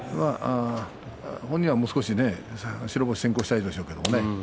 本人はもう少し白星を先行したいでしょうけどもね。